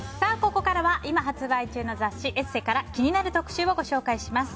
ここからは今発売中の雑誌「ＥＳＳＥ」から気になる特集をご紹介します。